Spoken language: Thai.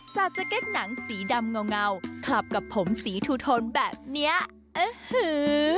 จากสเก็ตหนังสีดำเงาคลับกับผมสีทูทนแบบเนี้ยอื้อหือ